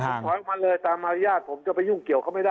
ผมถอยออกมาเลยตามมารยาทผมจะไปยุ่งเกี่ยวเขาไม่ได้